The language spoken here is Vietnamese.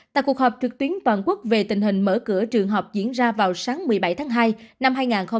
tại cuộc họp trực tuyến toàn quốc về tình hình mở cửa trường học diễn ra vào sáng một mươi bảy tháng hai năm hai nghìn hai mươi